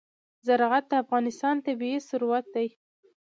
زراعت د افغانستان طبعي ثروت دی.